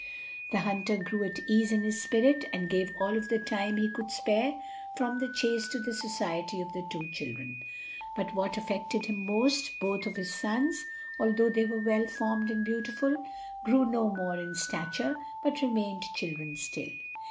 The hunter grew at ease in his spirit and gave all of the time he could spare from the chase to the society of the two children; but what affected him most, both of his sons, although they were well formed and beautiful, grew no more in stature but remained children still.